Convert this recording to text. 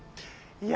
いや。